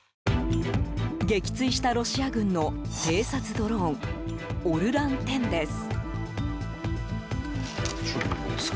撃墜したロシア軍の偵察ドローンＯｒｌａｎ１０です。